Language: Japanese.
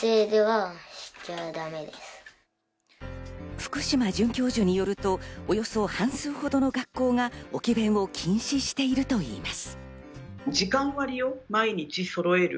福嶋准教授によると、およそ半数ほどの学校が置き勉を禁止しているといいます。